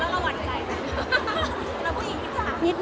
เวลาพวกงานด้วย